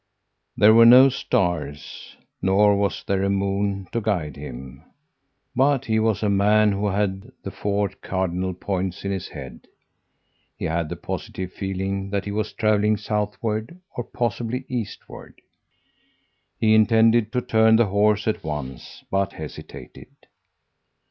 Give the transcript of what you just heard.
There were no stars, nor was there a moon to guide him; but he was a man who had the four cardinal points in his head. He had the positive feeling that he was travelling southward, or possibly eastward. "He intended to turn the horse at once, but hesitated.